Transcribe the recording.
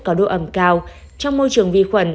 có độ ẩm cao trong môi trường vi khuẩn